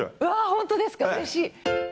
本当ですか、うれしい。